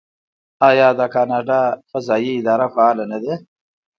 آیا د کاناډا فضایی اداره فعاله نه ده؟